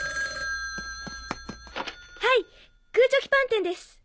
はいグーチョキパン店です。